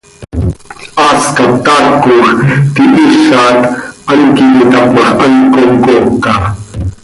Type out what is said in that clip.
Haas cap taacoj, tihiizat, hant quih iti tap ma x, hant comcooca.